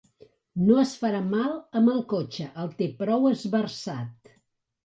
No es farà mal amb el cotxe: el té prou esversat.